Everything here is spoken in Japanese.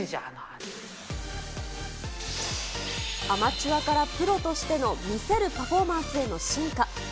アマチュアからプロとしての見せるパフォーマンスへの進化。